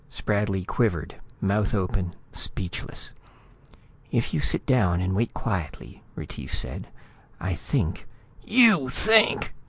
Spradley quivered, mouth open, speechless. "If you'll sit down and wait quietly," Retief said, "I think " "You think!"